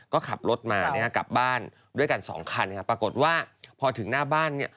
ก็ขับรถมานะครับกลับบ้านด้วยกัน๒คันปรากฏว่าพอถึงหน้าบ้าน